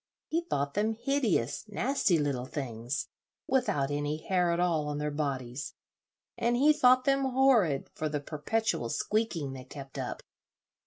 He thought them hideous, nasty little things, without any hair at all on their bodies, and he thought them horrid for the perpetual squeaking they kept up.